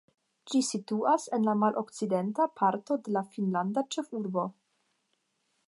Ĝi situas en la malokcidenta parto de la finnlanda ĉefurbo.